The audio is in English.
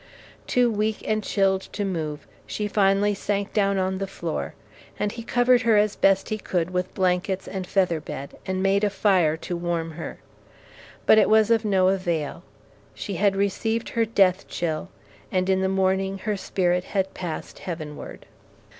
Too weak and Chilled to move, she finally sank down on the floor, and he covered her as best he could with blankets and feather bed, and made a fire to warm her; but it was of no avail, she had received her death chill, and in the morning her spirit had passed heavenward.